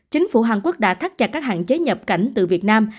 chính phủ hàn quốc đã thắt chặt các hạn chế nhập cảnh từ việt nam